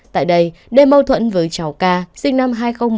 tại đây đêm mâu thuẫn với cháu k sinh năm hai nghìn một mươi hai